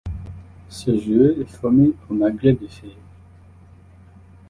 Ce joueur est formé au Maghreb de Fès.